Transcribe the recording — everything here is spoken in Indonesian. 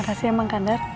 makasih ya bang kandar